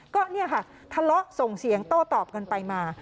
ก็เนี่ยค่ะทะเลาะส่งเสียงโต้ตอบกันไปมา